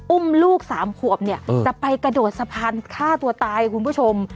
อุ้มลูก๓ขวบเนี่ยจะไปกระโดดสะพานฆ่าตัวตายคุณผู้ชม